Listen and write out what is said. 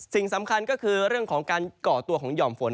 สิ่งสำคัญก็คือเรื่องของการก่อตัวของห่อมฝน